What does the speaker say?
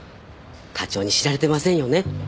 課長に知られてませんよね？